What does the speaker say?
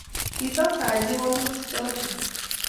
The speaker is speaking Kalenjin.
kisas Haji wolutichoto